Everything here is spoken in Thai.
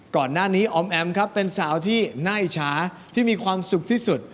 ก่อนหน้านี้ออมแอมครับเป็นสาวที่น่าอิจฉาที่มีความสุขที่สุด